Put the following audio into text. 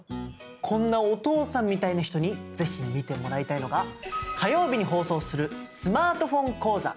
こんなお父さんみたいな人に是非見てもらいたいのが火曜日に放送するスマートフォン講座。